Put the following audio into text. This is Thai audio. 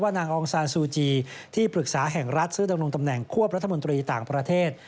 นางองซานซูจีที่ปรึกษาแห่งรัฐซึ่งดำรงตำแหน่งควบรัฐมนตรีต่างประเทศ